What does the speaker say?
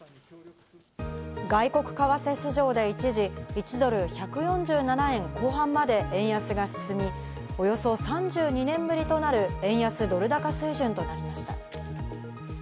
外国為替市場で一時、１ドル＝１４７円後半まで円安が進み、およそ３２年ぶりとなる円安ドル高水準となりました。